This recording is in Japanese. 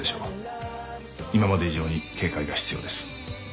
今まで以上に警戒が必要です。